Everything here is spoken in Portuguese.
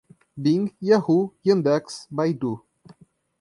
Bing, Yahoo, Yandex, Baidu